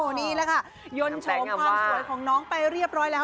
นี่แหละค่ะยนต์โฉมความสวยของน้องไปเรียบร้อยแล้ว